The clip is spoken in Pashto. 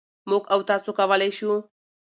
مـوږ او تاسـو کـولی شـو